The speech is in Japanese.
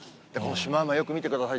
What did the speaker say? シマウマ、よく見てください。